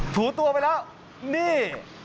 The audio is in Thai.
ถูตัวไปแล้วนี่